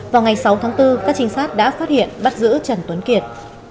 vào ngày sáu tháng bốn các trinh sát đã phát hiện bắt giữ trần tuấn kiệt